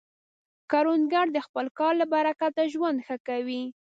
کروندګر د خپل کار له برکته ژوند ښه کوي